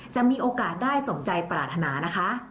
จะมีโอกาสได้สมใจปรารถนานะคะ